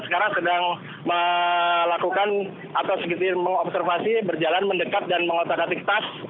sekarang sedang melakukan atau sekitar mengobservasi berjalan mendekat dan mengotak atik tas